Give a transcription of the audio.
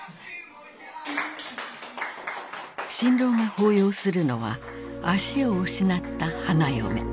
新郎が抱擁するのは足を失った花嫁。